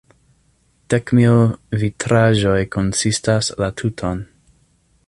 Dek mil vitraĵoj konsistas la tuton.